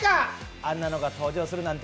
あんなのが登場するなんて。